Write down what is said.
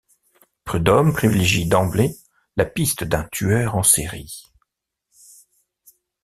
Prudhomme privilégie d'emblée la piste d'un tueur en série.